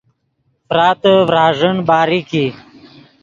فراتے ڤراݱین باریک ای